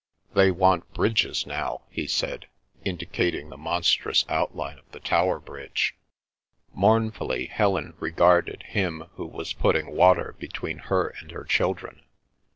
"They want bridges now," he said, indicating the monstrous outline of the Tower Bridge. Mournfully Helen regarded him, who was putting water between her and her children.